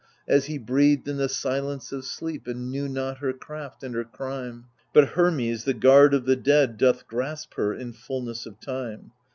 As he breathed in the silence of sleep, and knew .not her craft and her crime — But Hermes, the guard of the dead, doth grasp her, in fulness of time.